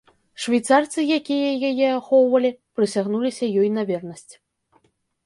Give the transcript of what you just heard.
Швейцарцы, якія яе ахоўвалі, прысягнуліся ёй на вернасць.